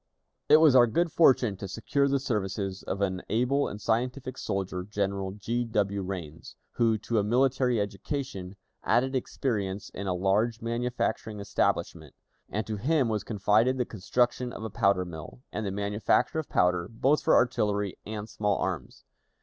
It was our good fortune to secure the services of an able and scientific soldier, General G. W. Rains, who, to a military education, added experience in a large manufacturing establishment, and to him was confided the construction of a powder mill, and the manufacture of powder, both for artillery and small arms.